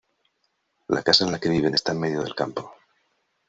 La casa en la que viven está en medio del campo.